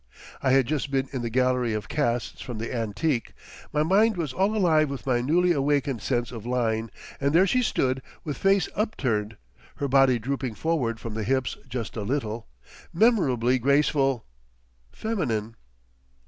I had just been in the gallery of casts from the antique, my mind was all alive with my newly awakened sense of line, and there she stood with face upturned, her body drooping forward from the hips just a little—memorably graceful—feminine.